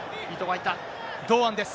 堂安です。